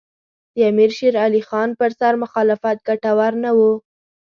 د امیر شېر علي خان پر سر مخالفت ګټور نه وو.